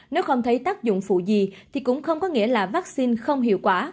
nếu không thấy tác dụng phụ gì thì cũng không có nghĩa là vaccine không hiệu quả